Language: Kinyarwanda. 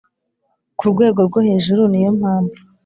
ku rwego rwo hejuru niyo mpamvu